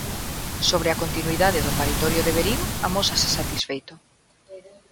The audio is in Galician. Sobre a continuidade do paritorio de Verín, amósase satisfeito.